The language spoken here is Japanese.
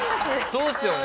そうっすよね。